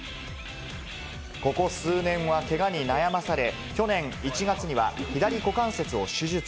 ここ数年はけがに悩まされ、去年１月には左股関節を手術。